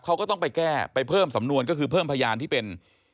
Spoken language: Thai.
เขาก็ต้องไปแก้ไปเพิ่มสำนวนก็คือเพิ่มพยานที่เป็น